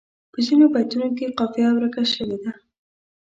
په ځینو بیتونو کې قافیه ورکه شوې ده.